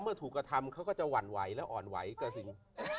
มีคนแอบฟังคำตามหรือยัง